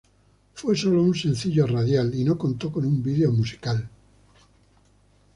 Fue solo un sencillo radial y no contó con un vídeo musical.